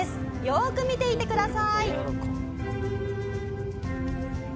よーく見ていてください。